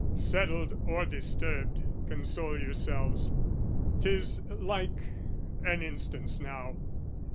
Settled or disturbed, Console yourselves: 'tis like...an instance, now!